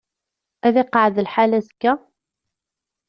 Ad iqeεεed lḥal azekka?